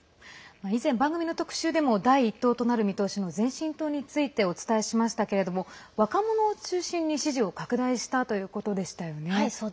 以前、番組の特集でも第１党となる見通しの前進党についてお伝えしましたが若者を中心に支持を拡大したということでしたよね。